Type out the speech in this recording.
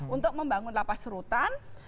untuk membangun lapas rutan